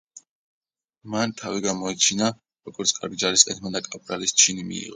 მან თავი გამოიჩინა, როგორც კარგ ჯარისკაცმა და კაპრალის ჩინი მიიღო.